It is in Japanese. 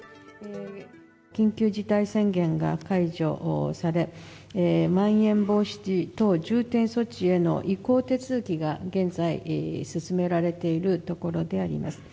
緊急事態宣言が解除され、まん延防止等重点措置への移行手続きが現在、進められているところであります。